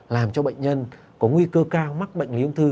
làm cho bệnh nhân có nguy cơ cao mắc bệnh lý ung thư